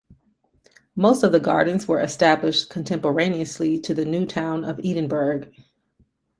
Most of the gardens were established contemporaneously to the New Town of Edinburgh.